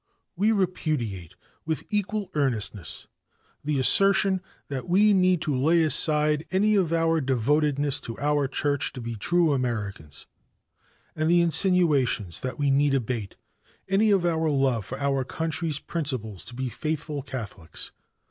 "We repudiate with equal earnestness the assertion that we need to lay aside any of our devotedness to our Church to be true Americans, and the insinuations that we need abate any of our love for our country's principles to be faithful Catholics.